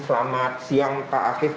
selamat siang pak afif